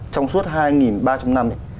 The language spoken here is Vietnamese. trong suốt hai ba trăm linh năm